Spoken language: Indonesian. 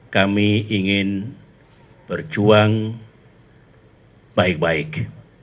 kami ingin berjuang baik baik